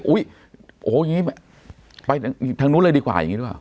โอ้ยอย่างนี้ไปทางนู้นเลยดีกว่าอย่างนี้ด้วย